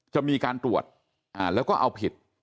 จะมีการตรวจแล้วก็เอาผิด